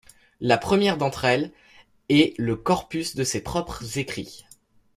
La première d'entre elles est le corpus de ses propres écrits.